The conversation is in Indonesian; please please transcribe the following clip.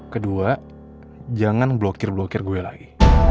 kedua jangan blokir blokir gue lagi